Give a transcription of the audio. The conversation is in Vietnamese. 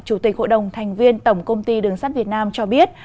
chủ tịch hội đồng thành viên tổng công ty đường sắt việt nam cho biết